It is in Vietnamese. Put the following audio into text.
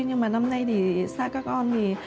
nhưng mà năm nay thì xa các con thì